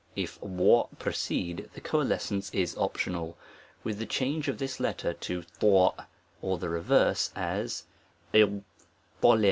If 13 precede X the coalescence is optional, with the change of this letter to k , or the reverse; as Abl'j.